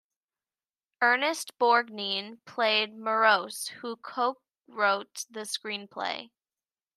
Ernest Borgnine played Morros, who co-wrote the screenplay.